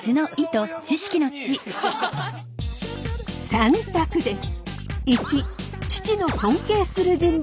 ３択です。